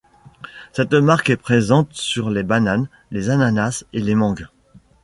Cette marque est présente sur les bananes, les ananas et les mangues.